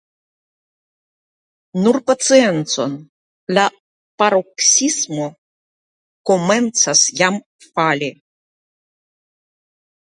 Nur paciencon, la paroksismo komencas jam fali.